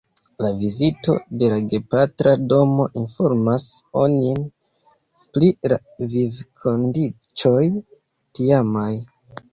La vizito de la gepatra domo informas onin pri la vivkondiĉoj tiamaj.